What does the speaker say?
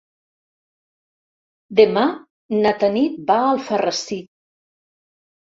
Demà na Tanit va a Alfarrasí.